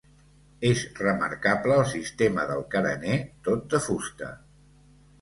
És remarcable el sistema del carener tot de fusta.